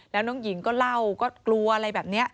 แล้วน้องหญิงก็เล่าก็กลัวอะไรแบบนี้